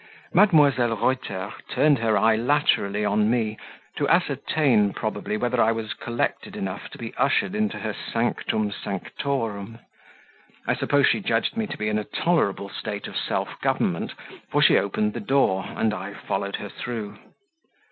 Mdlle. Reuter turned her eye laterally on me, to ascertain, probably, whether I was collected enough to be ushered into her sanctum sanctorum. I suppose she judged me to be in a tolerable state of self government, for she opened the door, and I followed her through.